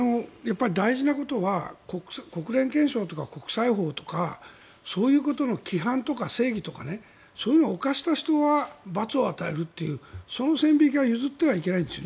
大事なことは国連憲章とか国際法とかそういうことの規範とか正義とかそういうのを犯した人は罰を与えるというその線引きは譲ってはいけないんです。